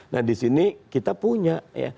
nah di sini kita punya